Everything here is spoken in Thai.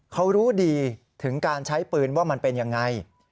เขารู้ดีถึงการใช้ปืนว่ามันเป็นยังไง